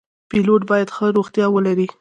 پیلوټ باید ښه روغتیا ولري.